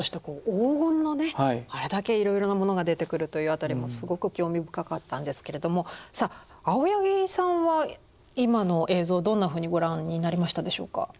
あれだけいろいろなものが出てくるという辺りもすごく興味深かったんですけれどもさあ青柳さんは今の映像をどんなふうにご覧になりましたでしょうか？